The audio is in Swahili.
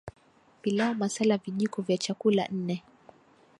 Pilau masala Vijiko vya chakula nne